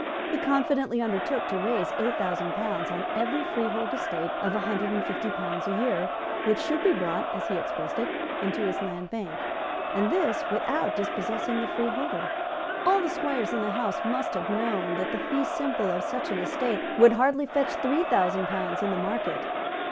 He confidently undertook to raise eight thousand pounds on every freehold estate of a hundred and fifty pounds a year which should be brought, as he expressed it, into his Land Bank, and this without dispossessing the freeholder. All the squires in the House must have known that the fee simple of such an estate would hardly fetch three thousand pounds in the market.